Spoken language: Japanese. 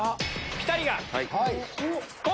ピタリが！